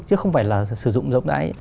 chứ không phải là sử dụng rộng rãi